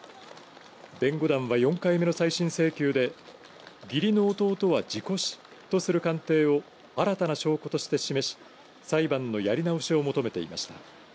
弁護団は４回目の再審請求で義理の弟は事故死とする鑑定を新たな証拠として示し裁判のやり直しを求めていました。